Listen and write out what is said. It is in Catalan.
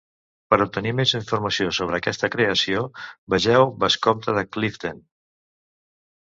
Per obtenir més informació sobre aquesta creació, vegeu Vescomte de Clifden.